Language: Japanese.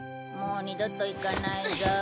もう二度と行かないぞ。